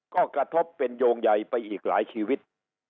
ก็กระทบเป็นโยงใหญ่ไปอีกหลายชีวิต